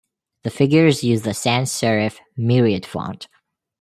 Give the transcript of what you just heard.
The figures use the sans-serif Myriad font.